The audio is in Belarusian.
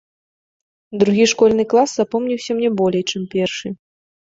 Другі школьны клас запомніўся мне болей, чым першы.